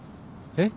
えっ？